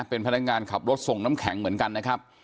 เป็นพนักงานขับรถส่งน้ำแข็งเหมือนกันนะครับ